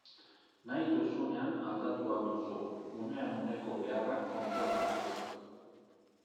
Nahi duzunean aldatu ahal duzu, unean uneko beharrak kontuan hartuta.